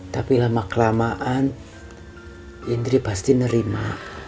tapi lama kelamaan indri pasti nerima